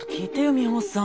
美穂さん。